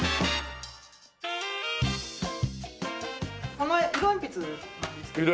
この色鉛筆なんですけど。